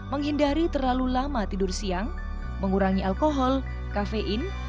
menghindari terlalu lama tidur siang mengurangi alkohol kafein